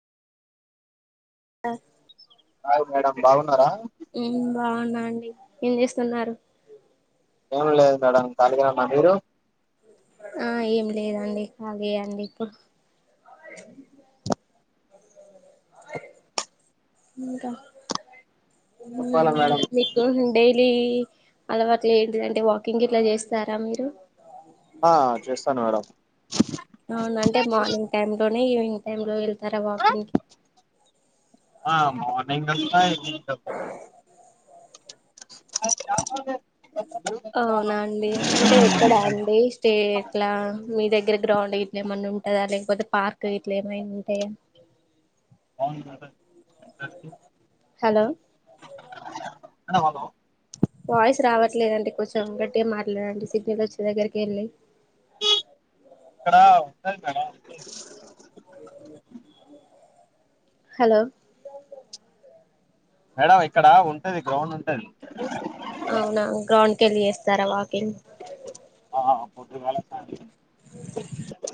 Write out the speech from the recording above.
ఆ అవును. మేడం బాగున్నారా బాగున్నా అండి ఏం చేస్తున్నారు. ఏం లేదు మేడం కలిగానే ఉన్న మీరు ఆ ఏం లేదండి ఖలీయే అండి. ఇప్పుడు ఇంకా చెప్పాలా మేడం మీకు డైలీ అలావాట్ల ఏంటి దాంటే వాకింగ్ గిట్లా చేస్తారా మీరు ఆ చేస్తాను మేడం అవును. అంటే మార్నింగ్ టైమ్ లో న్నాయి. ఈవినింగ్ టైమ్ లో వెళ్తారా వాకింగు కి ఆ మార్నింగ్ వెళ్తా ఈవ్ చెప్పండి అ అ అవునా అండి. అంటే ఎక్కడా అండి స్టే ఎట్లా మీ దగ్గర గ్రౌండ్ గిట్ల ఏమన్న ఉంటందా లేకపోతే పార్క్ గిట్ల ఏమైనా ఉంటాయా అవునుద హలో [unintelligible] వయిస్ రావట్లే లేదండి కొంచెం గట్టిగా మాట్లాడండి. [unintelligible] దగ్గరికి ఏళ్ళి [unintelligible] కదా హలో మేడం ఇక్కడ ఉంటది. గ్రౌండ్ ఉంటది. అవునా గ్రౌండ్ కేళ్ళి చేస్తారా. వాకింగ్ ఆ పొద్దుగాల సాయంత్రం